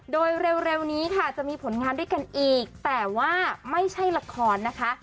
โดยเร็วนี้ค่ะจะมีผลงานด้วยกันอีกแต่ว่าไม่ใช่ละครนะคะ